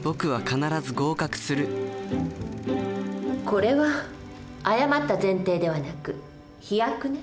これは誤った前提ではなく飛躍ね。